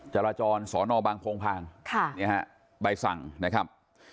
จารจรศนบังพงภาคใบสั่งนะครับ